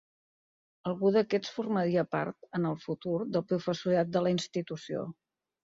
Algun d'aquests formaria part, en el futur, del professorat de la institució.